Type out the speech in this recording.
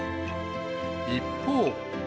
一方。